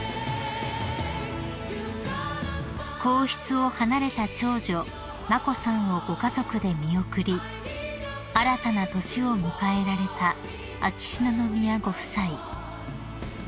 ［皇室を離れた長女眞子さんをご家族で見送り新たな年を迎えられた秋篠宮ご夫妻］